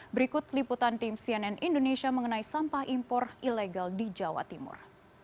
berikut liputan tim cnn indonesia mengenai sampah impor ilegal di jawa timur